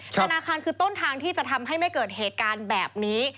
ธนาคารคือต้นทางที่จะทำให้ไม่เกิดเหตุการณ์แบบนี้